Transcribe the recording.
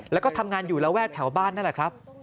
แล้วก็ทำงานอยู่ระแวกแถวบ้านนั่นแหละครับ